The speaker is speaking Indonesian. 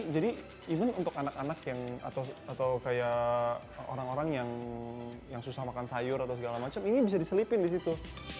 jadi even untuk anak anak atau orang orang yang susah makan sayur ini bisa diselipkan di situ